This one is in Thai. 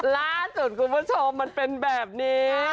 ล่าสุดคุณผู้ชมมันเป็นแบบนี้